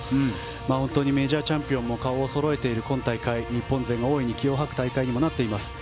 本当にメジャーチャンピオンも顔をそろえている今大会、日本勢が大いに気を吐く大会になっています。